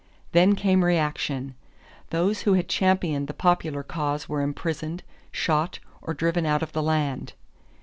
Then came reaction. Those who had championed the popular cause were imprisoned, shot, or driven out of the land.